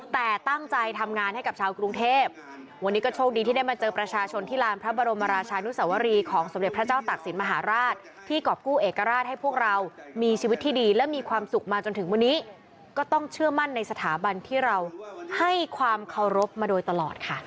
แต่ตั้งใจทำงานให้กับชาวกรุงเทพวันนี้ก็โชคดีที่ได้มาเจอประชาชนที่ลานพระบรมราชานุสวรีของสมเด็จพระเจ้าตักศิลปมหาราชที่กรอบกู้เอกราชให้พวกเรามีชีวิตที่ดีและมีความสุขมาจนถึงวันนี้ก็ต้องเชื่อมั่นในสถาบันที่เราให้ความเคารพมาโดยตลอดค่ะ